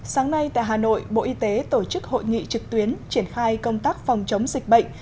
sáng nay tại hà nội bộ y tế tổ chức hội nghị trực tuyến triển khai công tác phòng chống dịch bệnh